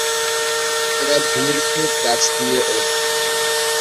এরা ভূমির খুব কাছ দিয়ে ওড়ে।